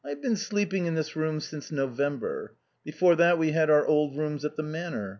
"I've been sleeping in this room since November. Before that we had our old rooms at the Manor.